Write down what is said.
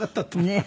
ねえ。